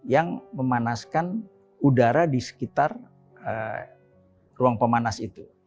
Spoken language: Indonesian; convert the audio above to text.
yang memanaskan udara di sekitar ruang pemanas itu